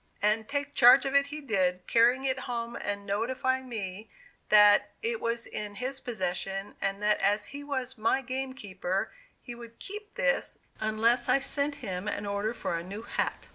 And "take charge" of it he did, carrying it home and notifying me that it was in his possession, and that as he was my game keeper he would "keep" this, unless I sent him an order for a new hat.